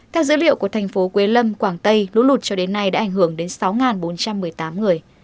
theo dữ liệu của thành phố quế lâm quảng tây lũ lụt cho đến nay đã ảnh hưởng đến sáu bốn trăm một mươi tám người